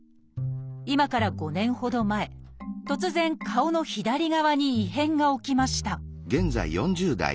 今から５年ほど前突然顔の左側に異変が起きました